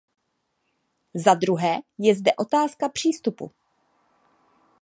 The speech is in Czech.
Zadruhé je zde otázka přístupu.